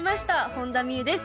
本田望結です。